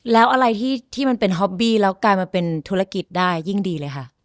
แล้วอะไรที่มันเป็นฮอปบี้แล้วกลายมาเป็นธุรกิจได้ยิ่งดีเลยค่ะ